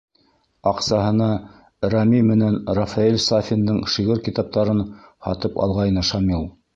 Аҡсаһына Рәми менән Рафаэль Сафиндың шиғыр китаптарын һатып алғайны Шамил.